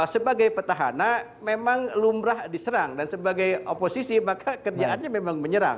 sebagai petahana memang lumrah diserang dan sebagai oposisi maka kerjaannya memang menyerang